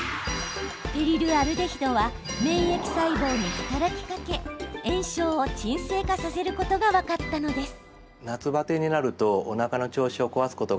ペリルアルデヒドは免疫細胞に働きかけ炎症を鎮静化させることが分かったのです。